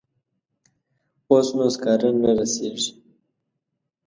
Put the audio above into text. اوس نو سکاره نه رسیږي.